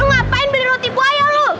ngapain beli roti buaya lo